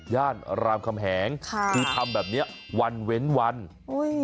รามคำแหงค่ะคือทำแบบเนี้ยวันเว้นวันอุ้ย